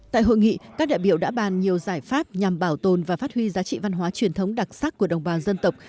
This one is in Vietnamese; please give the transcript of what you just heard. tại hội nghị các đại biểu đã bàn nhiều giải pháp nhằm bảo tồn và phát huy giá trị văn hóa truyền thống đặc sắc của đồng bào dân tộc